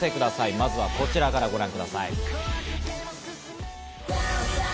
まずはこちらからご覧ください。